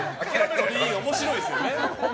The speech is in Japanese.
面白いですよね。